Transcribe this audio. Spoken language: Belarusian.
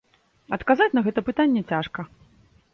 Адказаць на гэта пытанне цяжка.